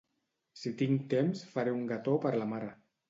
si tinc temps faré un gató per la mare